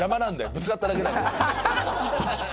ぶつかっただけなんだよ。